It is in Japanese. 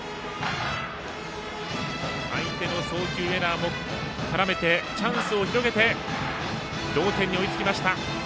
相手の送球エラーも絡めてチャンスを広げて同点に追いつきました。